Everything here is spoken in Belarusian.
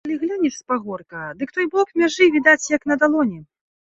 Калі глянеш з пагорка, дык той бок мяжы відаць, як на далоні.